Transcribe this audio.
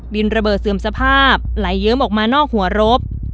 ระเบิดเสื่อมสภาพไหลเยิ้มออกมานอกหัวรบ